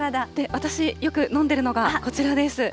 私、よく飲んでるのが、こちらです。